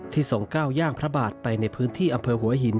ทรงก้าวย่างพระบาทไปในพื้นที่อำเภอหัวหิน